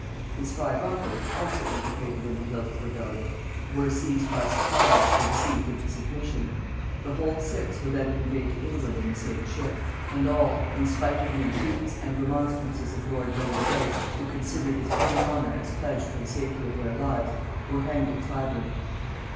His five uncles, also implicated in the guilt of rebellion, were seized by surprise, or deceived into submission. The whole six were then conveyed to England in the same ship; and all, in spite of the entreaties and remonstrances of lord Leonard Grey, who considered his own honor as pledged for the safety of their lives, were hanged at Tyburn.